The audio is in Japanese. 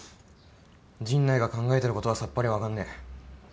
陣内が考えてることはさっぱり分かんねえ。